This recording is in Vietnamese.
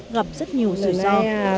gặp rất nhiều sự do